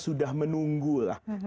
sudah menunggu lah